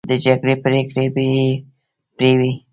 د جرګې پریکړه بې پرې وي.